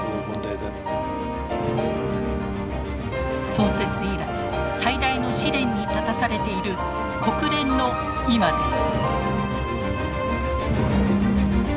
創設以来最大の試練に立たされている国連の今です。